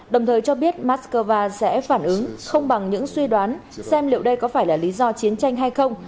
đồng thời cho biết moscow sẽ phản ứng không bằng những suy đoán xem liệu đây có phải là lý do chiến tranh hay không